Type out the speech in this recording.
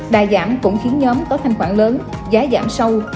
đà giảm cũng khiến nhóm có thanh khoản lớn giá giảm sâu